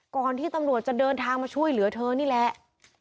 ก่อนที่ตำรวจจะเดินทางมาช่วยเหลือเธอนี่แหละ